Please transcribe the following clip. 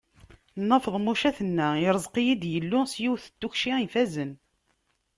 Nna Feḍmuca tenna: Ireẓq-iyi-d Yillu s yiwet n tukci ifazen.